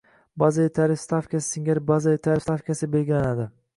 bazaviy tarif stavkasi singari bazaviy tarif stavkasi belgilanadi”.